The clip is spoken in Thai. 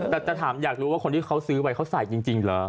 แต่จะถามอยากรู้ว่าคนที่เขาซื้อไปเขาใส่จริงเหรอ